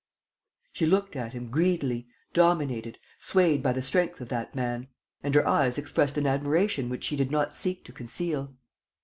She looked at him greedily, dominated, swayed by the strength of that man. And her eyes expressed an admiration which she did not seek to conceal.